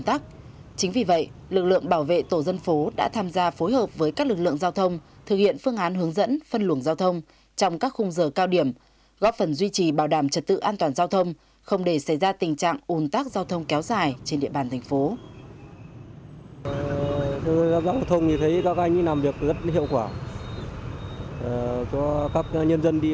trần quý kiên lực lượng bảo vệ tổ dân phố phường dịch vọng đang làm nhiệm vụ phân làn giao thông trong các khung giờ cao điểm góp phần duy trì bảo đảm trật tự an toàn giao thông trong các khung giờ cao điểm giúp các phương tiện di chuyển thuận lợi